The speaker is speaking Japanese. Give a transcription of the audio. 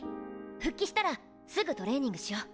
復帰したらすぐトレーニングしよう。